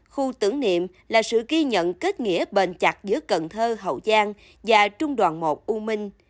khu tưởng niệm là sự ghi nhận kết nghĩa bền chặt giữa cần thơ hậu giang và trung đoàn một u minh